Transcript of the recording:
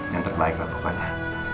yang terbaik lah pokoknya